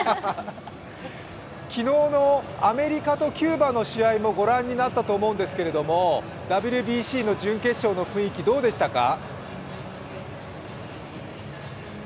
昨日のアメリカとキューバの試合も御覧になったと思うんですけど、ＷＢＣの準決勝の雰囲気、どうでしたか？